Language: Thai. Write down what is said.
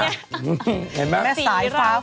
อะโหเยอะจริงนะพี่ค่ะวันนี้เยอะไม่รู้